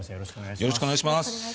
よろしくお願いします。